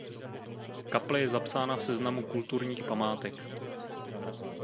Kaple je zapsána v seznamu kulturních památek.